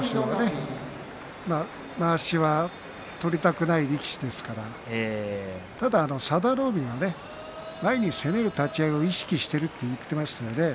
まわしは取りたくない力士ですからただ佐田の海が前に攻める立ち合いを意識していると言っていましたよね。